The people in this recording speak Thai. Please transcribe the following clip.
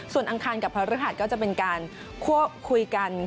ส่วนอังคารกับพระฤหัสก็จะเป็นการควบคุยกัน